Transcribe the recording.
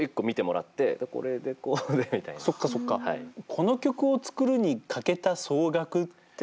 この曲を作るにかけた総額って。